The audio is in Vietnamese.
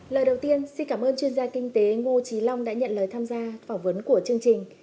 lời đầu tiên xin cảm ơn chuyên gia kinh tế ngô trí long đã nhận lời tham gia phỏng vấn của chương trình